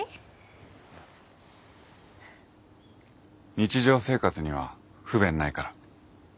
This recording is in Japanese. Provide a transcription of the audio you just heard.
日常生活には不便ないから。